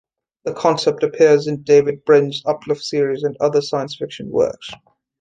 The concept appears in David Brin's Uplift series and other science fiction works.